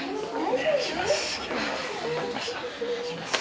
お願いします。